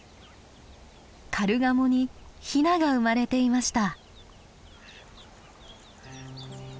カルガモにひなが生まれていました。